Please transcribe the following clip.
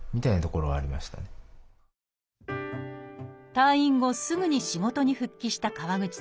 退院後すぐに仕事に復帰した川口さん。